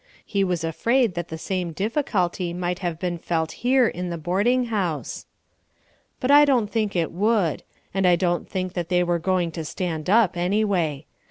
He was afraid that the same difficulty might have been felt here in the boarding house. But I don't think it would, and I don't think that they were going to stand up, anyway.